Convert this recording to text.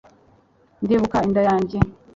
ndibuka inda yanjye